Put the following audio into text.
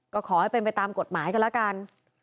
ก็ขอให้ไปตามกฎหมายกันล่ะกัน